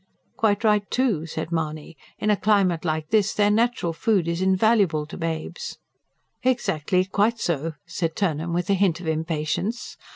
"Quite right, too," said Mahony. "In a climate like this their natural food is invaluable to babes." "Exactly, quite so," said Turnham, with a hint of impatience.